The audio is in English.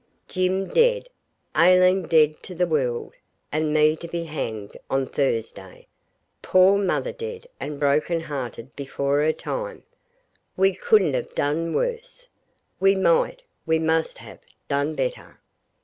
Jim dead, Aileen dead to the world, and me to be hanged on Thursday, poor mother dead and broken hearted before her time. We couldn't have done worse. We might, we must have, done better.